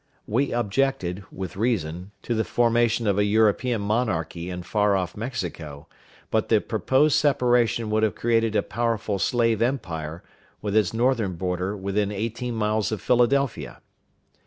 We objected, with reason, to the formation of a European monarchy in far off Mexico, but the proposed separation would have created a powerful slave empire, with its northern border within eighteen miles of Philadelphia.